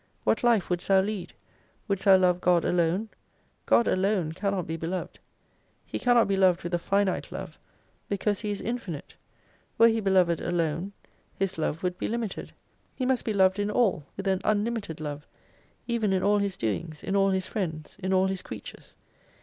What life wouldst thou lead ? Wouldst thou love God alone ? God alone cannot be beloved. He cannot be loved with a finite love, because He is infinite. Were He beloved alone, His love would be limited. He must be loved in all with an unlimited love, even in all His doings, in all His friends, in all His creatures.